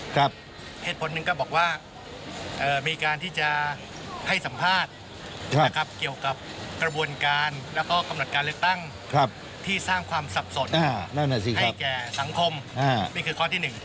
เหตุผลหนึ่งก็บอกว่ามีการที่จะให้สัมภาษณ์นะครับเกี่ยวกับกระบวนการแล้วก็กำหนดการเลือกตั้งที่สร้างความสับสนให้แก่สังคมนี่คือข้อที่๑